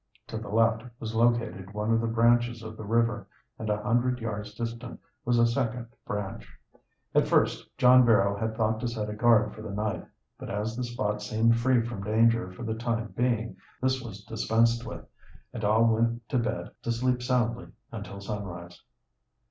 To the left was located one of the branches of the river and a hundred yards distant was a second branch. At first John Barrow had thought to set a guard for the night, but as the spot seemed free from danger for the time being, this was dispensed with, and all went to bed, to sleep soundly until sunrise.